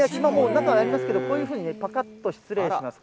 中、ありますけども、こういうふうにぱかっと失礼します。